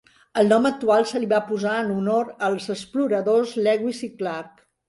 El nom actual se li va posar en honor als exploradors Lewis i Clark.